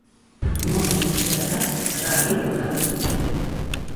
Un noteikums ir tikai tas, ka tā ir vieglāk dalīt budžetu.